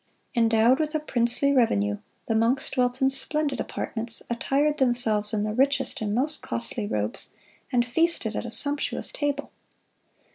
Endowed with a princely revenue, the monks dwelt in splendid apartments, attired themselves in the richest and most costly robes, and feasted at a sumptuous table.